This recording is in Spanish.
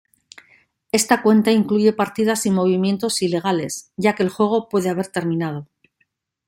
Esta cuenta incluye partidas y movimientos ilegales, ya que el juego puede haber terminado.